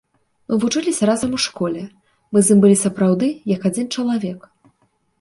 Мы вучыліся разам у школе, мы з ім былі сапраўды, як адзін чалавек.